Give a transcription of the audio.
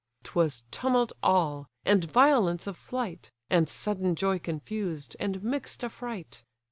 'Twas tumult all, and violence of flight; And sudden joy confused, and mix'd affright.